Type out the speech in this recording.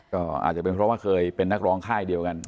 ก็อาจจะเป็นเพราะว่าเคยเป็นนักร้องค่ายเดียวกัน